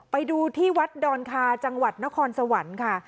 ไปดูที่วัดดอนคาจังหวัดนครสวรรค์ค่ะ